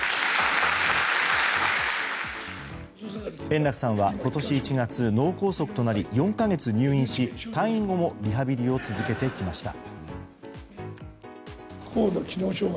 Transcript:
円楽さんは今年１月脳梗塞となり４か月入院し退院後もリハビリを続けてきました。